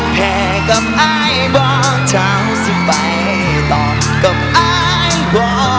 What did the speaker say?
ปลอมเพลง